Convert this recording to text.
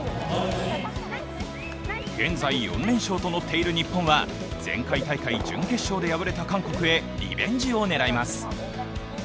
現在４連勝と乗っている日本は前回大会準決勝で敗れた韓国へリベンジを狙います。